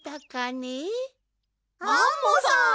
アンモさん！